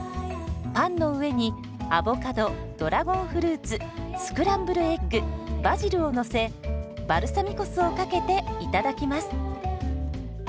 パンの上にアボカドドラゴンフルーツスクランブルエッグバジルをのせバルサミコ酢をかけていただきます。